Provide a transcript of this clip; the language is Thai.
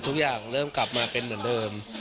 ทุกอย่างเริ่มกลับมาเป็นเหมือนเดิม